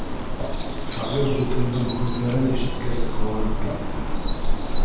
Шағир дуҫымдың һүҙҙәрен ишеткәс, ҡыуанып киттем.